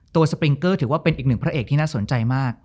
สปริงเกอร์ถือว่าเป็นอีกหนึ่งพระเอกที่น่าสนใจมาก